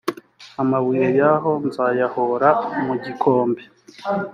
amabuye yaho nzayaroha mu gikombe.